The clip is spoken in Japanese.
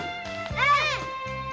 うん！